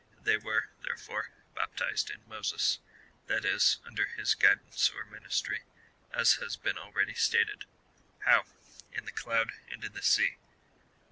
They were, therefore, baptized in Moses, that is, under his guid ance or ministry, as has been already stated. How ? In the cloud and in the sea.